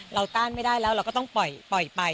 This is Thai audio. ต้านไม่ได้แล้วเราก็ต้องปล่อยไป